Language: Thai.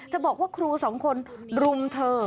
บอกว่าครูสองคนรุมเธอ